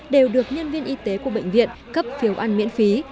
đều được nhân viên y tế của bệnh viện cấp phiếu ăn miễn phí